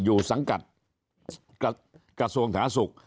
อยู่สังกัดกระทรวงสหสุข